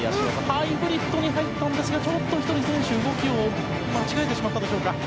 ハイブリッドに入ったんですがちょっと１人選手間違えてしまったでしょうか。